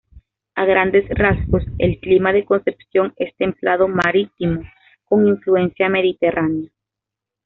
A grandes rasgos, el clima de Concepción es templado marítimo con influencia mediterránea.